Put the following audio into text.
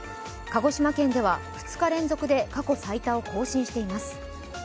鹿児島県では２日連続で過去最多を更新しています。